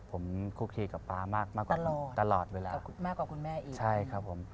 ผมคู่คีกับป๊ามากมากกว่าคุณแม่อีก